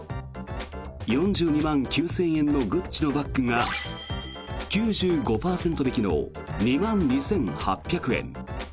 ４２万９０００円のグッチのバッグが９５％引きの２万２８００円。